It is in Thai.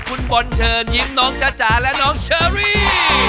คุณบอลเชิญยิ้มน้องจ๊ะจ๋าและน้องเชอรี่